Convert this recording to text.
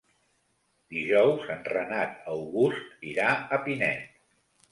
Dijous en Renat August irà a Pinet.